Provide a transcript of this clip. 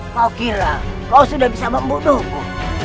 kau kira kau sudah bisa membunuhku